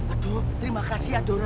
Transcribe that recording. aduh terima kasih adora ya